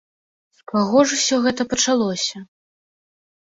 З каго ж усё гэта пачалося?